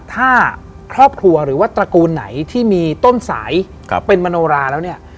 ถ้าครอบครัวหรือว่าตระกูลไหนที่มีต้นสายเป็นมโนราแล้วเนี่ย